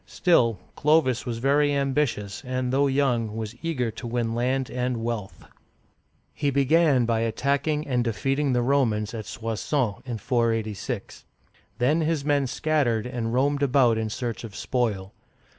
Still, Clovis was very ambitious, and though young, was eager to win land and wealth. He began by attacking and defeating the Romans at Soissons (swa s6N'), 486. Then his men scattered and roamed about in search of spoil.